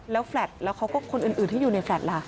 แล้วแฟลตแล้วเขาก็คนอื่นที่อยู่ในแฟลต์ล่ะ